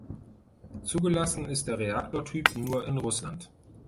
Zugelassen ist der Reaktortyp nur in Russland.